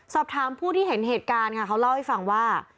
สอบถามผู้ที่เห็นเหตุการณ์ค่ะเขาเล่าให้ฟังว่า